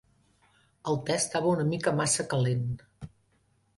El te estava una mica massa calent.